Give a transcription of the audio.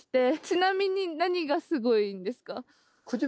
ちなみに何がすごいんですか？